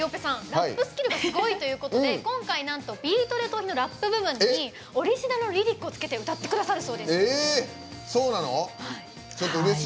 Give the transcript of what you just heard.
ラップスキルがすごいということで今回「ビートＤＥトーヒ」のラップ部分にオリジナルのリリックをつけて歌ってくださるそうです。